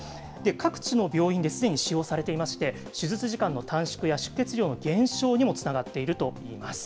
各地の病院ですでに使用されていまして、手術時間の短縮や出血量の減少にもつながっているといいます。